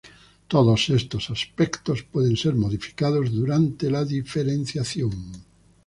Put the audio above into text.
Todos estos aspectos pueden ser modificados durante la diferenciación.